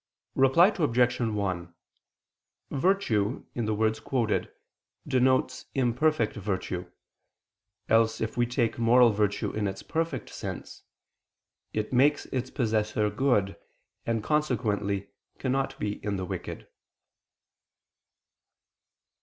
Reply Obj. 1: Virtue, in the words quoted, denotes imperfect virtue. Else if we take moral virtue in its perfect state, "it makes its possessor good," and consequently cannot be in the wicked.